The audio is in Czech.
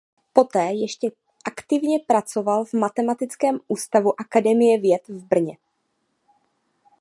Poté ještě aktivně pracoval v Matematickém ústavu Akademie věd v Brně.